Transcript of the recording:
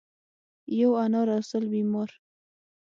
ـ یو انار او سل بیمار.